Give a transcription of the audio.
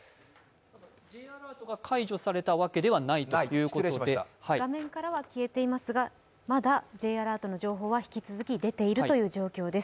Ｊアラートが解除されたわけではないということで画面からは消えていますがまだＪアラートの情報は引き続き出ています。